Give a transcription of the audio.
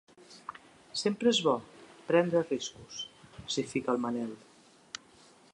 Sempre és bo, prendre riscos —s'hi fica el Manel—.